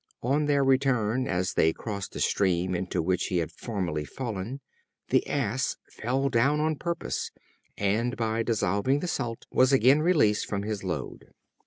On their return, as they crossed the stream into which he had formerly fallen, the Ass fell down on purpose, and by the dissolving of the Salt, was again released from his load.